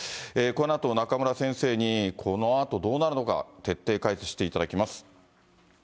このあと、中村先生にこのあとどうなるのか、徹底解説していただきます。